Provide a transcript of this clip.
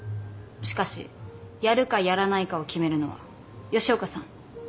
しかしやるかやらないかを決めるのは吉岡さんあなたです。